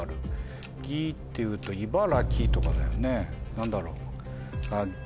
「ぎ」っていうと茨城とかだよね何だろう？